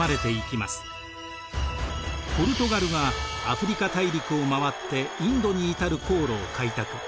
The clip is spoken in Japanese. ポルトガルがアフリカ大陸を回ってインドに至る航路を開拓。